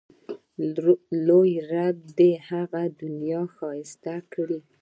لوی رب دې یې هغه دنیا ښایسته کړي.